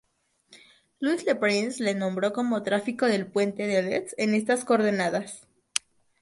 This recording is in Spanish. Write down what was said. Louis Le Prince lo nombró como Tráfico del puente de Leeds en estas coordenadas:.